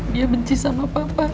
dia benci sama papa